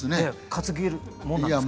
担げるもんなんですか？